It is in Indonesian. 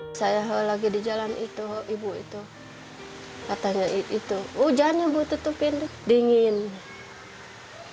pertama kali di jawa barat ibu menemukan perempuan yang terbesar di jawa barat